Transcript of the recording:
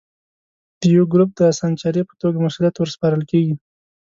د یوه ګروپ د اسانچاري په توګه مسوولیت ور سپارل کېږي.